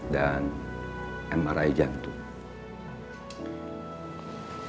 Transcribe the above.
dan mri jantung